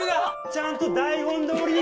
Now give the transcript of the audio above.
ちゃんと台本どおりに。